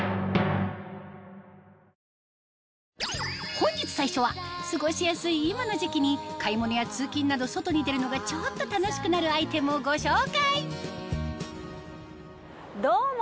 本日最初は過ごしやすい今の時期に買い物や通勤など外に出るのがちょっと楽しくなるアイテムをご紹介どうも！